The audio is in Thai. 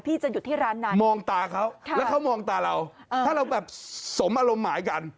จะหยุดที่ร้านนั้นมองตาเขาแล้วเขามองตาเราถ้าเราแบบสมอารมณ์หมายกัน